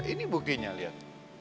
ini bukinnya lihat